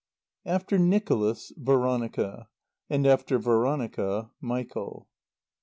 XIV After Nicholas, Veronica; and after Veronica, Michael.